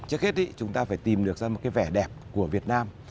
trước hết chúng ta phải tìm được ra một cái vẻ đẹp của việt nam